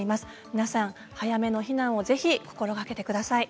皆さん、早めの避難をぜひ心がけてください。